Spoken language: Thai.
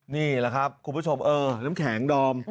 นี่แหละครับคุณผู้ชมเออน้ำแข็งดอม